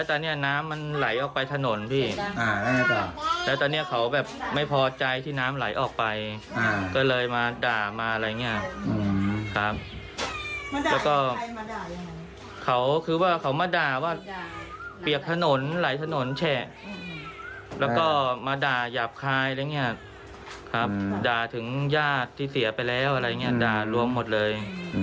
ทั้งญาติที่เสียไปแล้วอะไรอย่างนี้ด่ารวมหมดเลย